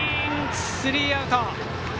スリーアウト。